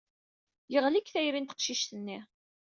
Yeɣli deg tayri n teqcict-nni.